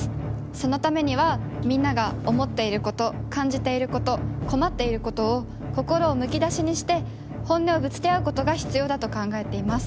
そのためにはみんなが思っていること感じていること困っていることを心をむき出しにして本音をぶつけ合うことが必要だと考えています。